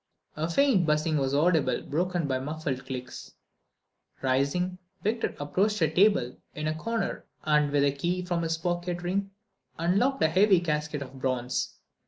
A faint buzzing was audible, broken by muffled clicks. Rising, Victor approached a table in a corner and with a key from his pocket ring unlocked a heavy casket of bronze.